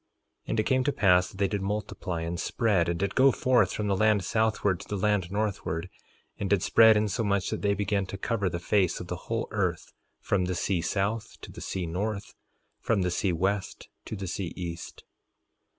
3:8 And it came to pass that they did multiply and spread, and did go forth from the land southward to the land northward, and did spread insomuch that they began to cover the face of the whole earth, from the sea south to the sea north, from the sea west to the sea east.